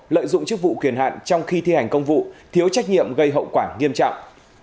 lợi dụng chức vụ quyền hạn trong khi thi hành công vụ thiếu trách nhiệm gây hậu quả nghiêm trọng